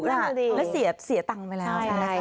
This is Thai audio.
แล้วเสียตังค์ไปแล้ว